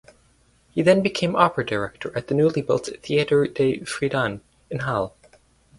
He then became opera director at the newly built "Theater des Friedens" in Halle.